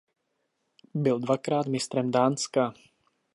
Byl dvakrát mistrem Dánska.